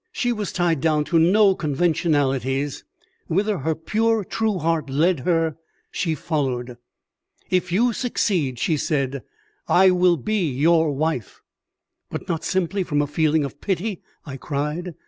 She was tied down to no conventionalities; whither her pure true heart led her, she followed. "If you succeed," she said, "I will be your wife." "But not simply from a feeling of pity?" I cried.